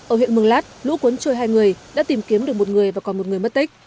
ở huyện mường lát lũ cuốn trôi hai người đã tìm kiếm được một người và còn một người mất tích